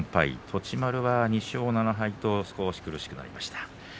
栃丸は２勝７敗と少し苦しくなりました。